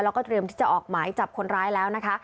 แล้วก็เตรียมที่จะออกหมายจับคนร้ายแล้วนะคะ